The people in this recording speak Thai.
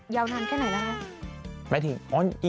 ยาวนานแค่ไหนแล้วฮะ